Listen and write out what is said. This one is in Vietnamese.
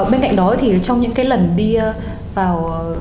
bên cạnh đó thì trong những cái lần đi vào